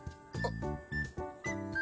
あっ。